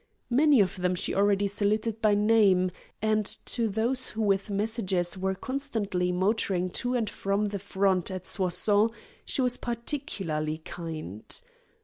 Many of them she already saluted by name, and to those who with messages were constantly motoring to and from the front at Soissons she was particularly kind.